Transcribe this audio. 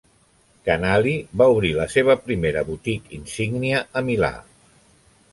Canali va obrir la seva primera boutique insígnia a Milà.